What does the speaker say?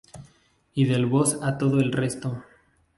Y del vos a todo el resto.